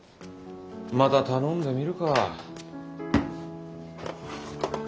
また頼んでみるか。